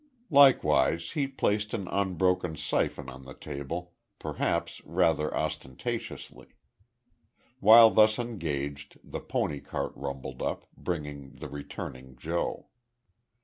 Likewise he placed an unbroken syphon on the table, perhaps rather ostentatiously. While thus engaged, the pony cart rumbled up, bringing the returning Joe.